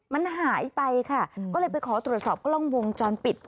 มันหายไปค่ะก็เลยไปขอตรวจสอบกล้องวงจรปิด